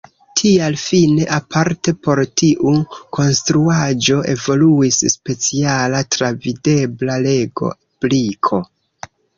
Tial fine aparte por tiu konstruaĵo evoluis speciala travidebla Lego-briko.